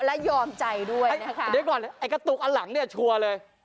และยอมใจด้วยเดี๋ยวก่อนไอ้กระตุกอันหลังเนี่ยชัวร์เลย